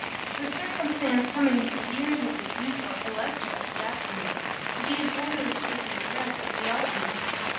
The circumstance coming to the ears of the Duke or Elector of Saxony, he gave orders for the arrest of the alchymist.